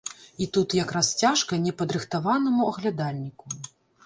І тут якраз цяжка непадрыхтаванаму аглядальніку.